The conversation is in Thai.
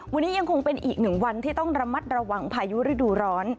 วันนี้ยังคงเป็นอีกหนึ่งวันที่ต้องระมัดระวังพายุฤดูร้อน